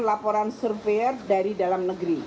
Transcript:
laporan survei dari dalam negeri